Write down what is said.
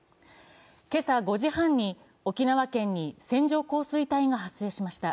今朝５時半に沖縄県に線状降水帯が発生しました。